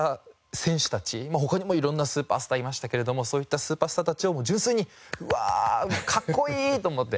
他にも色んなスーパースターいましたけれどもそういったスーパースターたちを純粋に「うわかっこいい！」と思って。